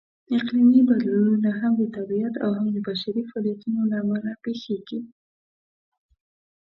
اقلیمي بدلونونه هم د طبیعت او هم د بشري فعالیتونو لهامله پېښېږي.